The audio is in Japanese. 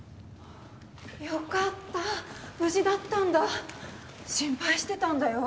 よかった無事だったんだ心配してたんだよ